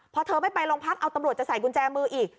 พอเธอไม่ไปโรงพักเอาตำรวจจะใส่กุญแจมืออีก